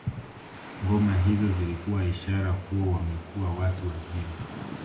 Ngoma hizo zilikuwa ishara kuwa wamekuwa watu wazima